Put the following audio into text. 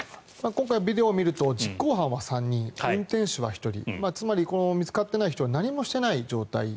今回、ビデオを見ると実行犯は３人運転手は１人つまりこの見つかっていない人は何もしていない状態。